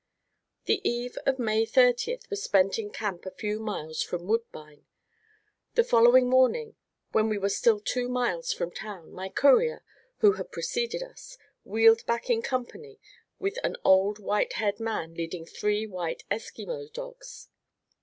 The eve of May thirtieth was spent in camp a few miles from Woodbine. The following morning, when we were still two miles from town, my courier, who had preceded us, wheeled back in company with an old, white haired man leading three white Esquimaux dogs.